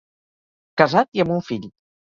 Casat, i amb un fill.